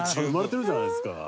生まれてるじゃないですか。